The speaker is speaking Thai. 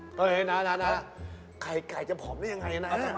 เฮ้ยนาไข่ไก่จะพร้อมได้อย่างไรน่ะ